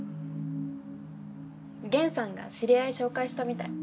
ゲンさんが知り合い紹介したみたい。